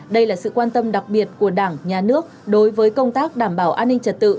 đây là sự quan tâm đặc biệt của đảng nhà nước đối với công tác đảm bảo an ninh trật tự